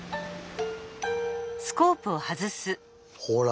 ほら！